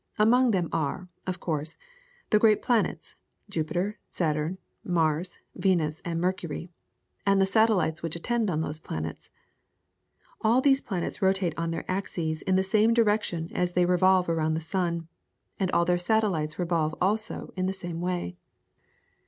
Among them are, of course, the great planets, Jupiter, Saturn, Mars, Venus, and Mercury, and the satellites which attend on these planets. All these planets rotate on their axes in the same direction as they revolve around the sun, and all their satellites revolve also in the same way.